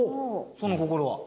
その心は？